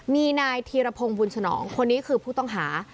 มีนายธีรพงศ์บุญฉนองคนนี้คือผู้ต้องหา